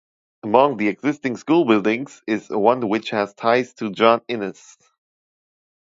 Among the existing school buildings is one which has ties to John Innes.